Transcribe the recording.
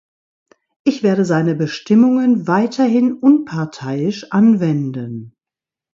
Ich werde seine Bestimmungen weiterhin unparteiisch anwenden.